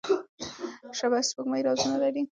شبح سپوږمۍ رازونه لري.